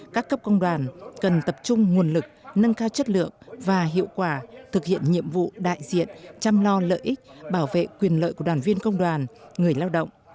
các cấp công đoàn cần tập trung nguồn lực nâng cao chất lượng và hiệu quả thực hiện nhiệm vụ đại diện chăm lo lợi ích bảo vệ quyền lợi của đoàn viên công đoàn người lao động